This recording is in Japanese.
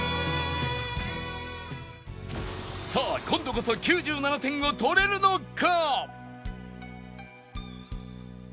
さあ今度こそ９７点を取れるのか？